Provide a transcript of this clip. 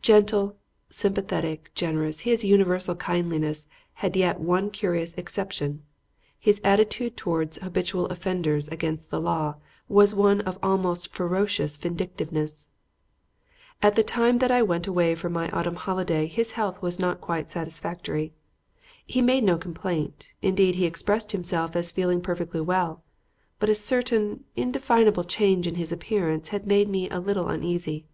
Gentle, sympathetic, generous, his universal kindliness had yet one curious exception: his attitude towards habitual offenders against the law was one of almost ferocious vindictiveness. At the time that I went away for my autumn holiday his health was not quite satisfactory. He made no complaint, indeed he expressed himself as feeling perfectly well; but a certain, indefinable change in his appearance had made me a little uneasy.